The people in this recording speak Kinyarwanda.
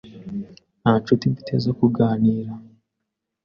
Nta nshuti mfite zo kuganira (gloeb)